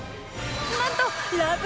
なんと『ラブ！！